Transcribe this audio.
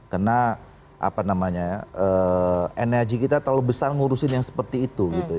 karena apa namanya energi kita terlalu besar ngurusin yang seperti itu